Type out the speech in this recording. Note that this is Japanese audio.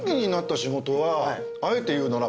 あえて言うなら。